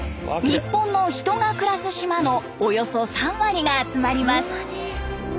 日本の人が暮らす島のおよそ３割が集まります。